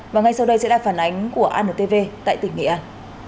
và ngay sau đây sẽ là phản ánh của antv tại tỉnh nghệ an